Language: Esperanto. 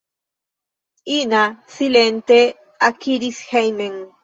Ina silente ekiris hejmen.